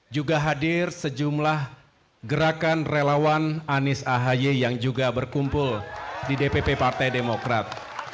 juga hadir sejumlah gerakan relawan anies ahaye yang juga berkumpul di dpp partai demokrat